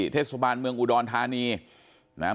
เทศบรรย์เมืองวุดรทานีนะ